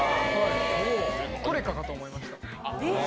トレカかと思いました。